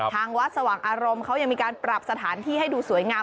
ทางวัดสว่างอารมณ์เขายังมีการปรับสถานที่ให้ดูสวยงาม